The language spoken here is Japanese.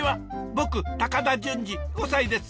僕高田純次５歳です！